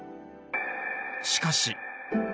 しかし！